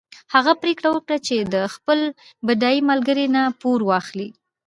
هغه پرېکړه وکړه چې له خپل بډای ملګري نه پور واخلي.